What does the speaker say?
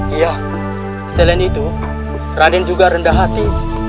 iya selain itu raden juga rendah hati